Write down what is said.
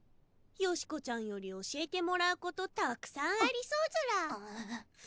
善子ちゃんより教えてもらうことたくさんありそうずら。